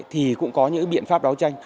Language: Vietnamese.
thì cũng có những biện pháp đấu tranh